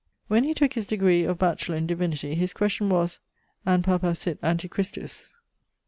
When he tooke his degree of Batchelaur in Divinity, his question was, An Papa sit Anti Christus?